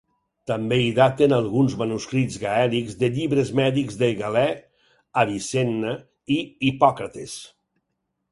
També hi daten alguns manuscrits gaèlics de llibres mèdics de Galè, Avicenna, i Hipòcrates.